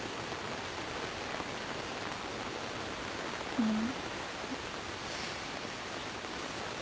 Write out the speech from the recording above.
うん。